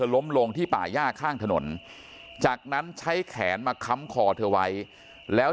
ล้มลงที่ป่าย่าข้างถนนจากนั้นใช้แขนมาค้ำคอเธอไว้แล้ว